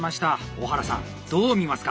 小原さんどう見ますか？